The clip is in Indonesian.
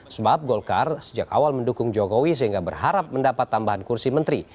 sebab golkar sejak awal mendukung jokowi sehingga berharap mendapat tambahan kursi menteri